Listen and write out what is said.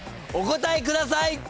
お答えください！